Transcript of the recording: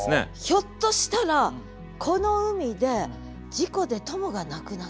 ひょっとしたらこの海で事故で友が亡くなったとか。